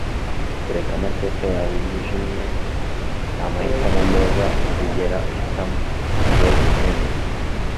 kureka amateka yawe yijimye ni amahitamo meza uzigera uhitamo - roy t bennett